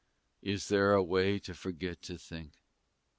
Is there a way to forget to think?